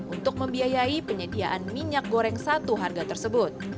untuk membiayai penyediaan minyak goreng satu harga tersebut